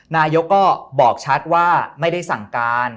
นายกก็บอกชัดว่าไม่ได้สั่งการ